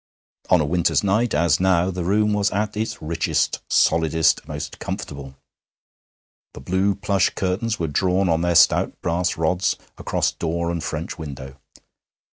On a winter's night, as now, the room was at its richest, solidest, most comfortable. The blue plush curtains were drawn on their stout brass rods across door and French window.